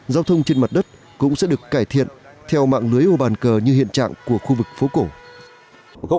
giao thông trên mặt đất cũng sẽ được cải thiện theo mạng lưới ô bàn cờ như hiện trạng của khu vực phố cổ